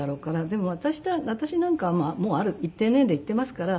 でも私なんかはある一定年齢いってますから。